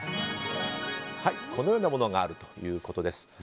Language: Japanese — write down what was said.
このようなものがあるということです。